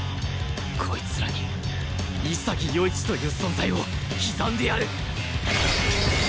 こいつらに潔世一という存在を刻んでやる！